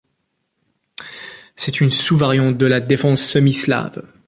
C'est une sous-variante de la défense semi-slave.